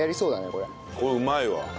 これうまいわ。